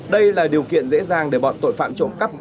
đây là điều kiện dễ dàng để bọn tội phạm trộm cắp